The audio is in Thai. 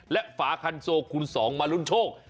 และฝาคันโซคูณ๒มาลุ้นโชค